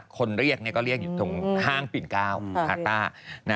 คนเรียกก็เรียกอยู่ตรงห้างปิ่น๙พาต้า